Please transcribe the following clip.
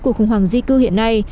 cuộc khủng hoảng di cư hiện nay